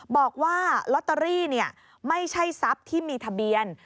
บอกว่าลอตเตอรี่ไม่ใช่ทรัพย์ที่มีทะเบียน